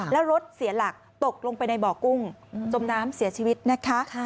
แล้วรถเสียหลักตกลงไปในบ่อกุ้งจมน้ำเสียชีวิตนะคะ